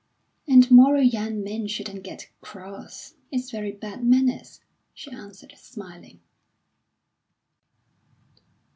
"And moral young men shouldn't get cross; it's very bad manners," she answered, smiling.